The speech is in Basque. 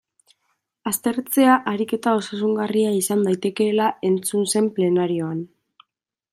Aztertzea ariketa osasungarria izan daitekeela entzun zen plenarioan.